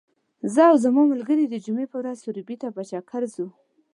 زه او زما ملګري د جمعې په ورځ سروبي ته په چکر ځو .